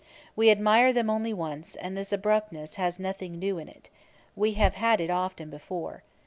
We admire them only once; and this abruptness has nothing new in it. We have had it often before.